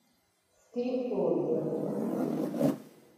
Steve Hood